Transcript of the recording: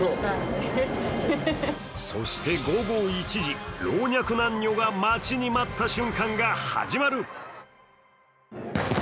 そして午後１時、老若男女が待ちに待った瞬間が始まる。